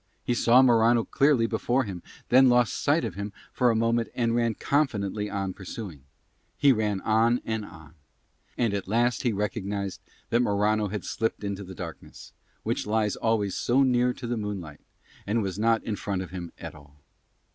He saw Morano clearly before him, then lost sight of him for a moment and ran confidently on pursuing. He ran on and on. And at last he recognised that Morano had slipped into the darkness, which lies always so near to the moonlight, and was not in front of him at all.